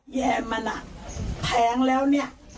แยมมันอ่ะแพงแล้วเนี่ย